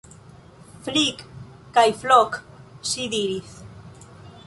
Flik kaj Flok, ŝi diris.